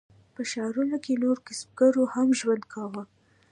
په ښارونو کې نورو کسبګرو هم ژوند کاوه.